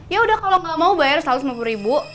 yaudah kalo gak mau bayar satu ratus lima puluh ribu